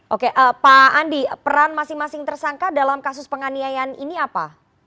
oke pak andi peran masing masing tersangka dalam kasus penganiayaan ini apa